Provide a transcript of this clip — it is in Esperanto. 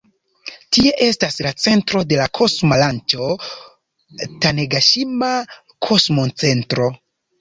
Tie estas la centro de kosma lanĉo Tanegaŝima-Kosmocentro.